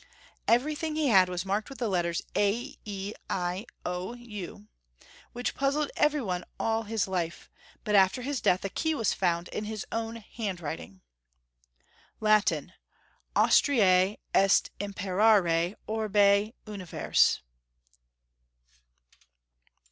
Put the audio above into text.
Every tiling he had was marked with the letters A E I O U, which puzzled every one all his life, but after his death a key was found in his own handwriting. Latin — Aiistriae est Imperare orbi universe.